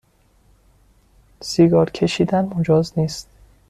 سیگار کشیدن مجاز نیست